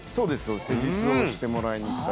施術してもらいに行ったりとか。